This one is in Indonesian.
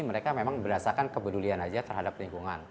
mereka memang berdasarkan kepedulian aja terhadap lingkungan